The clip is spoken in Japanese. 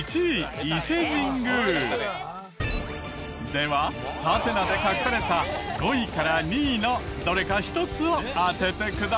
ではハテナで隠された５位から２位のどれか１つを当ててください。